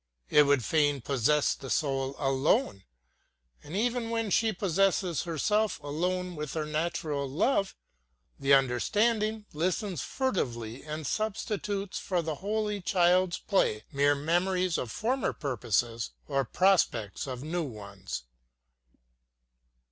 It would fain possess the soul alone; and even when she supposes herself alone with her natural love, the understanding listens furtively and substitutes for the holy child's play mere memories of former purposes or prospects of new ones.